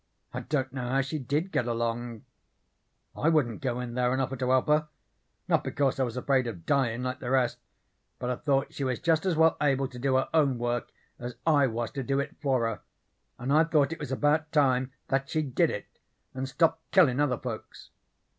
I don't know how she DID get along. I wouldn't go in there and offer to help her not because I was afraid of dyin' like the rest, but I thought she was just as well able to do her own work as I was to do it for her, and I thought it was about time that she did it and stopped killin' other folks.